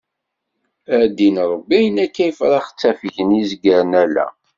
A ddin Ṛebbi ayen akka ifrax ttafgen izgaren ala.